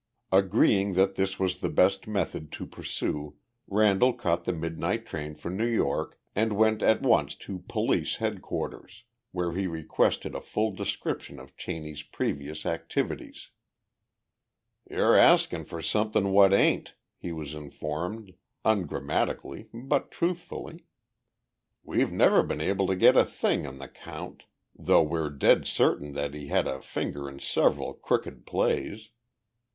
Agreeing that this was the best method to pursue, Randall caught the midnight train for New York and went at once to police headquarters, where he requested a full description of Cheney's previous activities. "You're asking for something what ain't," he was informed, ungrammatically, but truthfully. "We've never been able to get a thing on the count, though we're dead certain that he had a finger in several crooked plays.